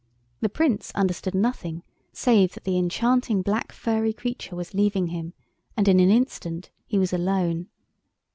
The Prince understood nothing save that the enchanting black furry creature was leaving him, and in an instant he was alone.